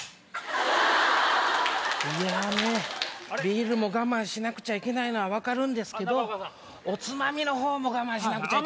ビール我慢しなくちゃいけないのは分かるんですけどおつまみのほうも我慢しなくちゃ。